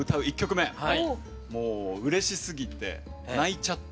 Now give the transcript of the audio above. もううれしすぎて泣いちゃって。